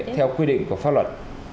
theo quy định của pháp luật